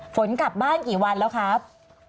ฝนกลับบ้านกี่วันแล้วครับ